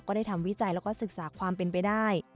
ได้ทำวิจัยแล้วก็ศึกษาความเป็นไปได้